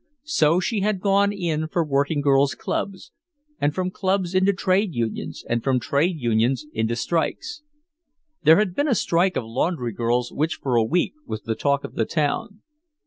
So she had gone in for working girls' clubs, and from clubs into trade unions and from trade unions into strikes. There had been a strike of laundry girls which for a week was the talk of the town.